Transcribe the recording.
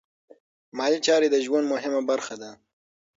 مالي چارې د ژوند مهمه برخه ده.